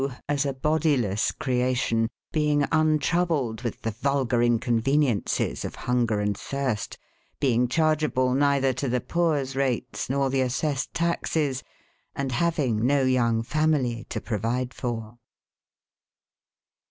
as a bodiless creation, MR. TETTERBY'S REMONSTRANCE. m being untroubled with the vulgar inconveniences of hunger and thirst, being chargeable neither to the poor's rates nor the assessed taxes, and having no young family to provide for.